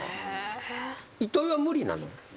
糸井は無理なの？